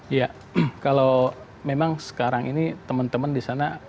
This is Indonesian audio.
iya kalau memang sekarang ini teman teman di sana